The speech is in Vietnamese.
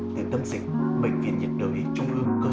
từ tâm dịch bệnh viện việt nhật đời trung ương cơ sở hai